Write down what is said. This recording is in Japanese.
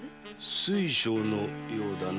水晶のようだな。